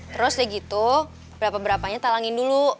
terus lagi tuh berapa berapanya talangin dulu